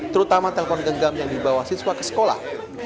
terutama telpon genggam yang dibawa siswa ke sekolah